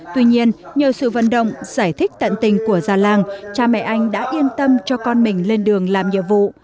tuy nhiên nhờ sự vận động giải thích tận tình của gia làng cha mẹ anh đã yên tâm cho con mình lên đường làm nhiệm vụ